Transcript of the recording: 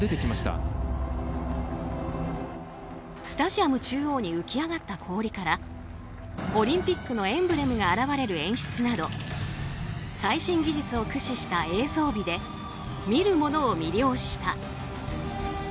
スタジアム中央に浮き上がった氷からオリンピックのエンブレムが現れる演出など最新技術を駆使した映像美で見る者を魅了した。